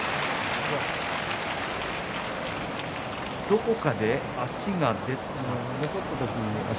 どこかで足が出たのか。